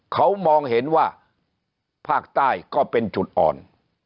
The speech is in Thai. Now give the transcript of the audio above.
เขามองเห็นว่าภาคใต้ก็เป็นจุดอ่อน